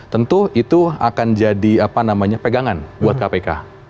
tentu itu akan jadi pegangan buat kpk